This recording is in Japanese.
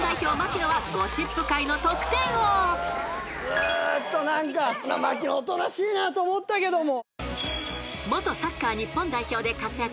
ずっと何か槙野おとなしいなと思ったけども。